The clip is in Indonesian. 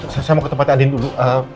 saya mau ke tempatnya andini dulu